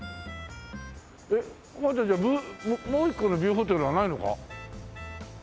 えっじゃあもう一個のビューホテルはないのか？